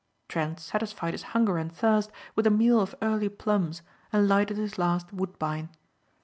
Trent satisfied his hunger and thirst with a meal of early plums and lighted his last Woodbine.